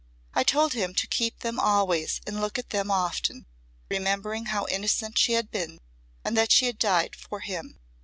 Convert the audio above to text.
I told him to keep them always and look at them often, remembering how innocent she had been, and that she had died for him.